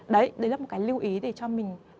đấy đấy là một cái lưu ý để cho mình